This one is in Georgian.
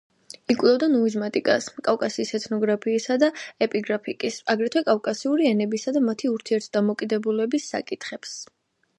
იკვლევდა ნუმიზმატიკას კავკასიის ეთნოგრაფიისა და ეპიგრაფიკის, აგრეთვე კავკასიური ენებისა და მათი ურთიერთდამოკიდებულების საკითხებს.